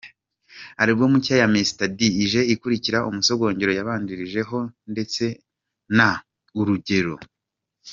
Album nshya ya Mr D ije ikurikira’Umusogongero’yabanjirijeho ndetse na’Urugero’.